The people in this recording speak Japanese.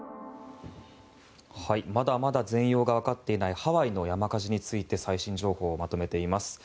まだまだ全容が分かっていないハワイの山火事について最新情報をまとめています。